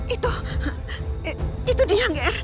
itu itu dia nggak ya